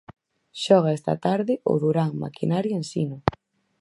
Xoga esta tarde o Durán Maquinaria Ensino.